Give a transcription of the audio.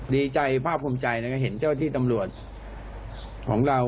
ดีใจภาคภูมิใจนะครับเห็นเจ้าที่ตำรวจของเรา